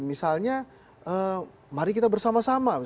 misalnya mari kita bersama sama